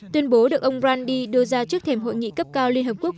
tuyên bố được ông randhi đưa ra trước thềm hội nghị cấp cao liên hợp quốc